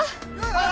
ああ！